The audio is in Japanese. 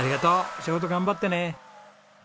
お仕事頑張ってね。